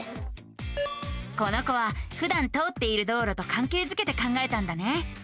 この子はふだん通っている道路とかんけいづけて考えたんだね。